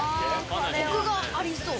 コクがありそう。